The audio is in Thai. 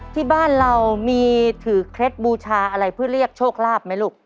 ที่บ้านเรามีถือเคล็ดบูชาอะไรเพื่อเรียกโชคลาภไหมลูก